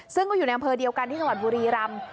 ซึ่งก็อยู่ในอำเภอเดียวกันที่จังหวัดบุรีรำ